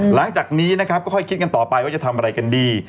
หลังจากนี้นะครับก็ค่อยคิดกันต่อไปว่าจะทำอะไรกันดี